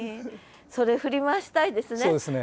それ振り回したいですね。